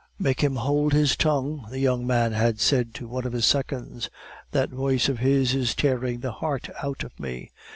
"Make him hold his tongue," the young man had said to one of his seconds; "that voice of his is tearing the heart out of me."